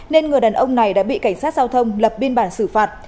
nên người đàn ông này đã bị cảnh sát giao thông lập biên bản xử phạt